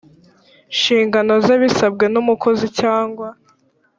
nshingano ze bisabwe n umukozi cyangwa